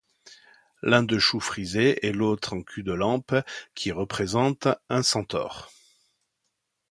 L'un de choux frisés et l'autre en culs-de-lampe qui représente un centaure.